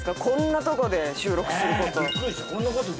こんなとこで収録する事。